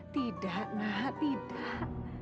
tidak nak tidak